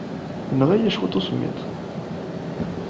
Yenɣa-iyi cwiṭ usemmiḍ.